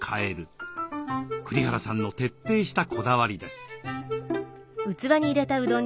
栗原さんの徹底したこだわりです。